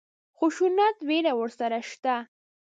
خشونت وېره ورسره نشته.